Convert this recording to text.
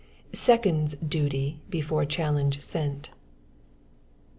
SECOND'S DUTY BEFORE CHALLENGE SENT.